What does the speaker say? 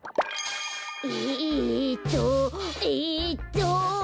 えっとえっと。